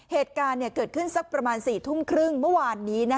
เหตุการณ์เกิดขึ้นสักประมาณ๔ทุ่มครึ่งเมื่อวานนี้